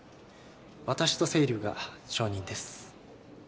私と青龍が証人です。